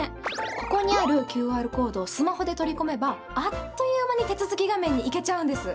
ここにあるＱＲコードをスマホで取り込めばあっという間に手続き画面に行けちゃうんです。